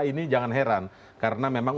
ini jangan heran karena memang